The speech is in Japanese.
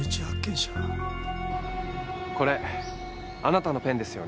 これあなたのペンですよね？